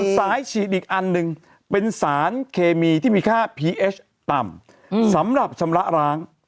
ฉีดอีกอันหนึ่งเป็นสารเคมีที่มีค่าพีเอสต่ำสำหรับชำระร้าง